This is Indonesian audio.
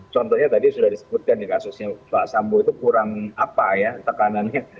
contohnya tadi sudah disebutkan di kasusnya pak sambo itu kurang apa ya tekanannya